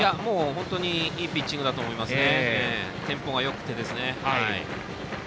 非常にいいピッチングだと思いますね。